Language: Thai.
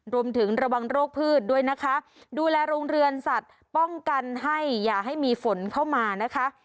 รวมถึงระวังโรคพืชด้วยนะคะดูแลโรงเรือนสัตว์ป้องกันให้อย่าให้มีฝนเข้ามานะคะ